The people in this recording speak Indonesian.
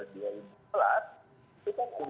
di tahun dua ribu sebelas